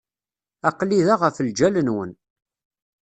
Aql-i da ɣef lǧal-nwen.